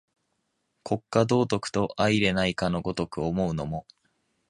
国家道徳と相容れないかの如く思うのも、